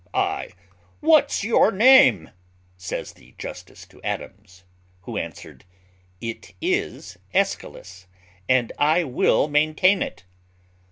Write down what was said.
"Ay, what's your name?" says the justice to Adams; who answered, "It is Aeschylus, and I will maintain it."